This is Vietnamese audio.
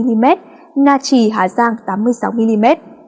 nha trì hà giang tám mươi sáu mm